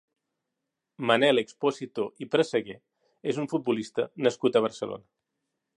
Manel Expósito i Presseguer és un futbolista nascut a Barcelona.